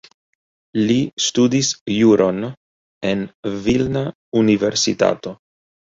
Li studis juron en Vilna Universitato.